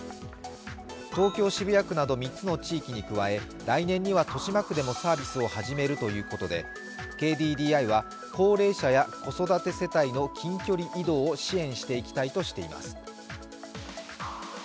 東京・渋谷区など３つの地域に加え、来年には豊島区でもサービスを始めるということで、ＫＤＤＩは高齢者や子育て世帯の近距離移動を支援していきたいとしています。